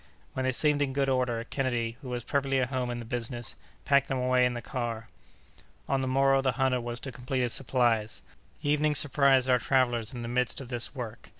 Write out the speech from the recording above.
When they seemed in good order, Kennedy, who was perfectly at home in the business, packed them away in the car. On the morrow, the hunter was to complete his supplies. Evening surprised our travellers in the midst of this work.